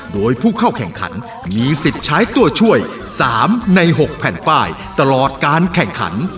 โดยผู้เข้าแข่งขันมีสิทธิ์ใช้ตัวช่วย๓ใน๖แผ่นป้ายตลอดการแข่งขัน